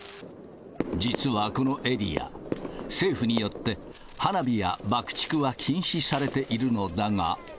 実はこのエリア、政府によって花火や爆竹は禁止されているのだが。